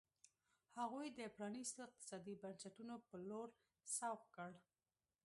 هغوی د پرانیستو اقتصادي بنسټونو په لور سوق کړ.